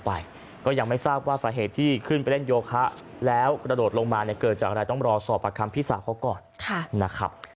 ไปก็ยังไม่ทราบว่าสาเหตุที่ขึ้นไปเล่นโยคะแล้วกระโดดลงมาเนี่ยเกิดจากอะไรต้องรอสอบประคำพี่สาวเขาก่อนนะครับ